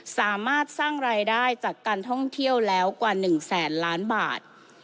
สามารถสร้างรายได้จากการท่องเที่ยวแล้วกว่า๑แสนล้านบาท